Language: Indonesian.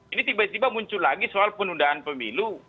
ini tiba tiba muncul lagi soal penundaan pemilu